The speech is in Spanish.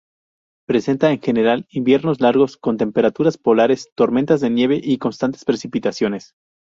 Presenta en general inviernos largos con temperaturas polares, tormentas de nieve y constantes precipitaciones.